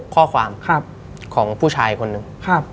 ข้อความของผู้ชายคนหนึ่ง